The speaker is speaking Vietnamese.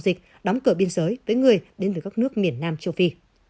dịch đóng cửa biên giới với người đến từ các nước miền nam châu phi